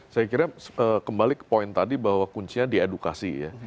saya kira kembali ke poin tadi bahwa kuncinya diedukasi ya